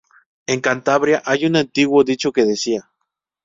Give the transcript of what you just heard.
En Cantabria hay un antiguo dicho que decía.